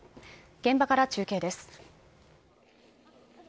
現場から中継です。